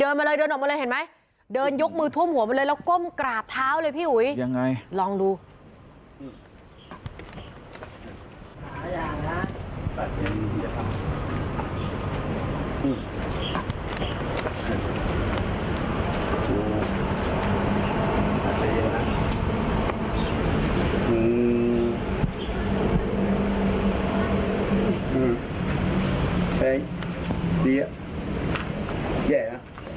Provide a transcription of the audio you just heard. เยอะนะกูได้รู้สึกแย่